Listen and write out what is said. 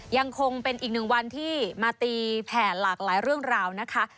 ยังคงเป็นอีกหนึ่งวันที่มาตีแผ่หลากหลายเรื่องราวนะคะ